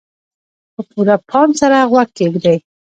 په پوره پام سره غوږ کېږدئ.